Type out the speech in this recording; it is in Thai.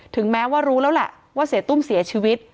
แม้ว่ารู้แล้วแหละว่าเสียตุ้มเสียชีวิต